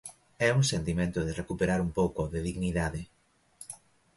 É un sentimento de recuperar un pouco de dignidade.